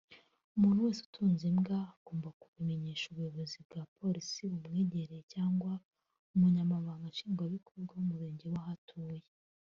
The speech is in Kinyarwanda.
umuntu wese utunze imbwa agomba kubimenyesha Ubuyobozi bwa Polisi bumwegereye cyangwa Umunyamabanga Nshingwabikorwa w’Umurenge w’aho atuye